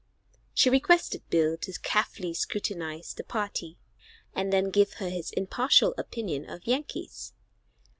She requested Bill to carefully scrutinize the party, and then give her his impartial opinion of Yankees.